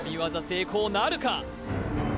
成功なるか？